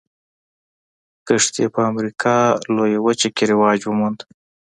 کښت یې په امریکا لویه وچه کې رواج وموند.